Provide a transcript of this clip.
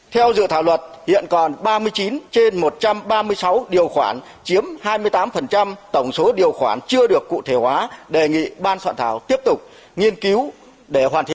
theo dự thảo luật hiện còn ba mươi chín trên một trăm ba mươi sáu điều khoản chiếm hai mươi tám tổng số điều khoản chưa được cụ thể hóa đề nghị ban soạn thảo tiếp tục nghiên cứu để hoàn thiện